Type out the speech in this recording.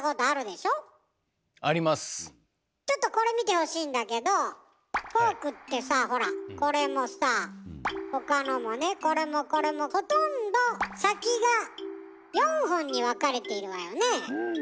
ちょっとこれ見てほしいんだけどフォークってさほらこれもさ他のもねこれもこれもほとんどうん！